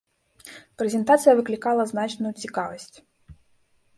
Прэзентацыя выклікала значную цікавасць.